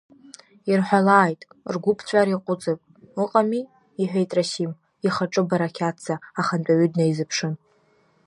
Ирҳәалааит, ргәы ԥҵәар иаҟәыҵып, ыҟами, — иҳәеит Расим, ихаҿы барақьаҭӡа ахантәаҩы днаизыԥшын.